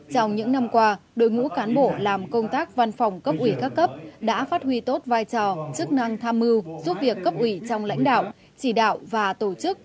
trong những năm qua đội ngũ cán bộ làm công tác văn phòng cấp ủy các cấp đã phát huy tốt vai trò chức năng tham mưu giúp việc cấp ủy trong lãnh đạo chỉ đạo và tổ chức